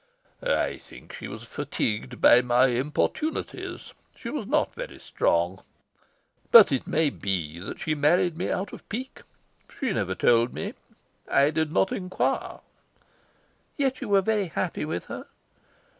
"I think she was fatigued by my importunities. She was not very strong. But it may be that she married me out of pique. She never told me. I did not inquire." "Yet you were very happy with her?"